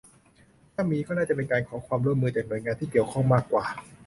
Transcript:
ถ้ามี ก็น่าจะเป็นการขอความร่วมมือจากหน่วยงานที่เกี่ยวข้องมากกว่า